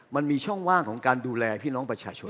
มันมีช่องว่างของการดูแลพี่น้องประชาชน